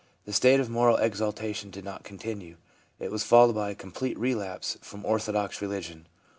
The state of moral exaltation did not continue ; it was followed by a com plete relapse from orthodox religion.